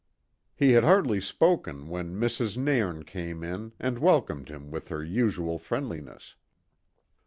He had hardly spoken when Mrs. Nairn came in and welcomed him with her usual friendliness.